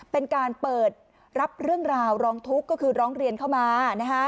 เป็นการเปิดรับเรื่องราวร้องทุกข์ก็คือร้องเรียนเข้ามา